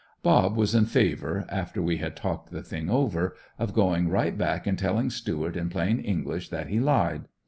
"Bob" was in favor, after we had talked the thing over, of going right back and telling Stuart in plain English that he lied.